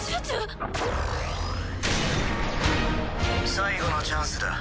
最後のチャンスだ。